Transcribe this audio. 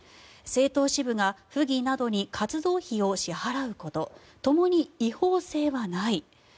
政党支部が府議などに活動費を支払うことともに違法性はない。